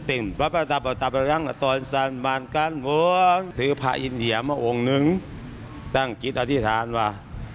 เพราะพระอินเทียมาองค์หนึ่งตั้งกิจอธิษฐานว่า